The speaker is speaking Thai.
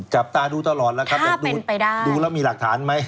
จับตาดูตลอดแล้วครับจะดูแล้วมีหลักฐานไหม